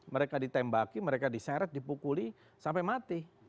mereka ditembaki mereka diseret dipukuli sampai mati